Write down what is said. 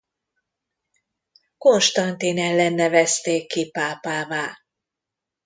Konstantin ellen nevezték ki pápává.